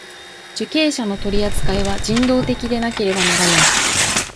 受刑者の取扱いは人道的でなければならない。